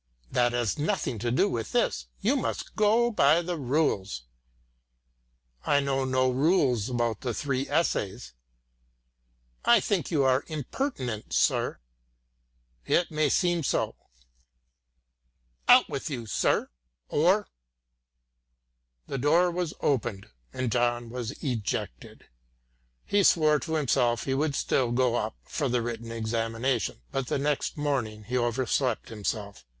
"That has nothing to do with this. You must go by the rules." "I know no rules about the three essays." "I think you are impertinent, sir." "It may seem so " "Out with you, sir! or " The door was opened, and John was ejected. He swore to himself he would still go up for the written examination, but the next morning he overslept himself.